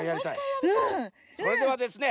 それではですね